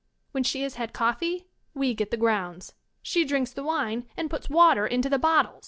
When she has had coffee, we get the grounds. She drinks the wine and puts water into the bottles